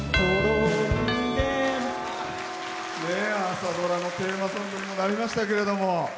朝ドラのテーマソングにもなりましたけれども。